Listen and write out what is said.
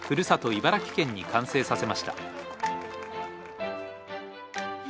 茨城県に完成させました。